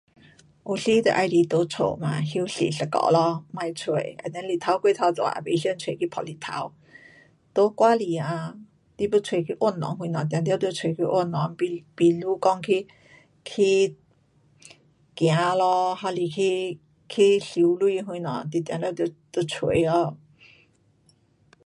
有时就喜欢在家嘛，休息一下咯。不出 and then 太阳过头大也不想出去嗮太阳。在外里啊，你要出去运动什么一定要出去运动，比，比如讲起，去走咯还是去，去走咯还是去，去游泳什么的一点得出哦。